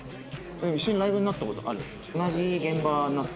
一緒のライブになった事になる。